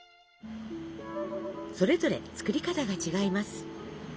それぞれ作り方が違います。